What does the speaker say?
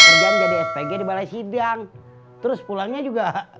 kerjaan jadi spg di balai sidang terus pulangnya juga